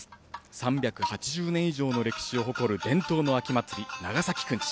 ３８０年以上の歴史を誇る伝統の秋祭り、長崎くんち。